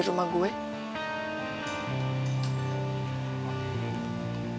mereka pasti udah janji